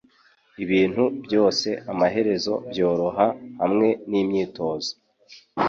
Ibintu byose amaherezo byoroha hamwe nimyitozo